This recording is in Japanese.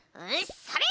それ！